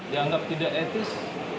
dianggap tidak etis